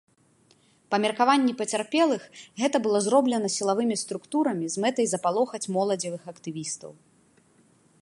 Па меркаванні пацярпелых, гэта было зроблена сілавымі структурамі з мэтай запалохаць моладзевых актывістаў.